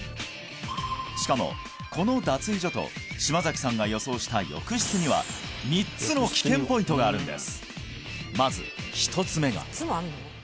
しかもこの脱衣所と島崎さんが予想した浴室にはがあるんです